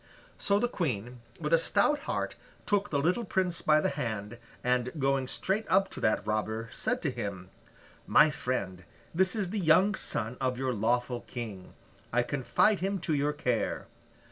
So the Queen, with a stout heart, took the little Prince by the hand, and going straight up to that robber, said to him, 'My friend, this is the young son of your lawful King! I confide him to your care.